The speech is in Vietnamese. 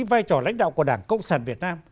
vai trò lãnh đạo của đảng cộng sản việt nam